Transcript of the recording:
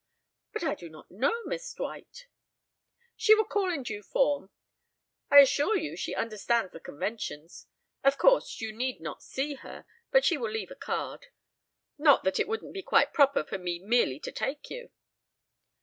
"But I do not know Miss Dwight." "She will call in due form. I assure you she understands the conventions. Of course, you need not see her, but she will leave a card. Not that it wouldn't be quite proper for me merely to take you."